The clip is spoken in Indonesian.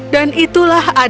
dan itulah adanya